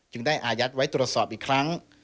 ได้อายัดไว้ตรวจสอบอีกครั้ง